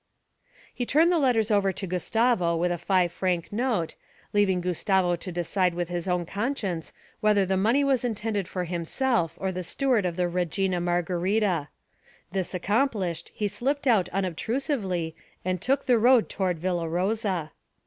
He turned the letters over to Gustavo with a five franc note, leaving Gustavo to decide with his own conscience whether the money was intended for himself or the steward of the Regina Margarita. This accomplished, he slipped out unobtrusively and took the road toward Villa Rosa.